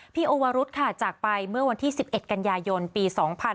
โอวารุธค่ะจากไปเมื่อวันที่๑๑กันยายนปี๒๕๕๙